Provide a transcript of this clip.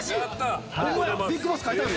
「ＢＩＧＢＯＳＳ」書いてある。